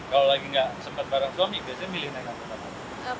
kalau lagi nggak sempat bareng suami biasanya milih naik apa apa